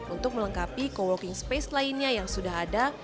untuk melengkapi co working space lainnya yang sudah ada